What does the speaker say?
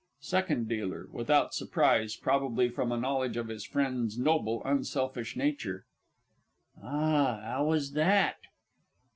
SECOND D. (without surprise probably from a knowledge of his friend's noble unselfish nature). Ah 'ow was that?